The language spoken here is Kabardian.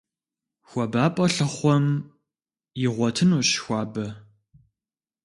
ХуабапӀэ лъыхъуэм игъуэтынущ хуабэ.